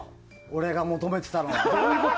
俺が求めてたの。